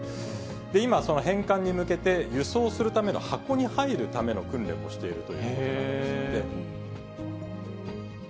今、その返還に向けて輸送するための箱に入るための訓練をしているということなんですって。